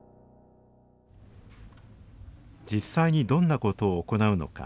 実際にどんなことを行うのか？